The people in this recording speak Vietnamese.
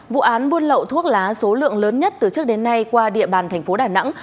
vụ án buôn lậu thuốc lá số lượng lớn nhất từ trước đến nay qua địa bàn thành phố đà nẵng